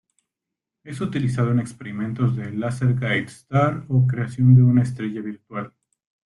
Es utilizado en experimentos de "laser guide star", o creación de una estrella virtual.